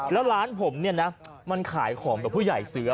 แล้วร้านผมเนี่ยนะมันขายของกับผู้ใหญ่ซื้อ